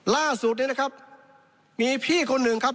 ล่าสุดเนี่ยนะครับมีพี่คนหนึ่งครับ